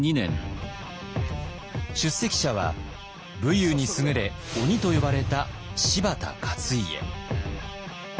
出席者は武勇に優れ鬼と呼ばれた柴田勝家。